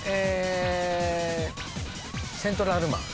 セントラルマン。